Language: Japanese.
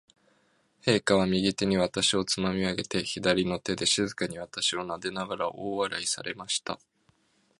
陛下は、右手に私をつまみ上げて、左の手で静かに私をなでながら、大笑いされました。